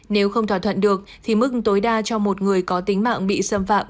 nếu không thỏa thuận được thì mức tối đa cho một người có tính mạng bị xâm phạm